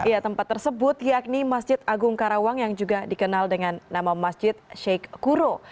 ya tempat tersebut yakni masjid agung karawang yang juga dikenal dengan nama masjid sheikh kuro